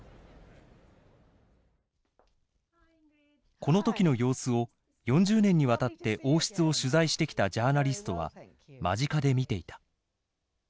この時の様子を４０年にわたって王室を取材してきたジャーナリストは間近で見ていた。